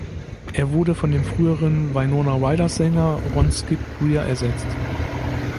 Er wurde von dem früheren Wynona-Riders-Sänger Ron „Skip“ Greer ersetzt.